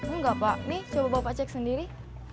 enggak pak ini coba bapak cek sendiri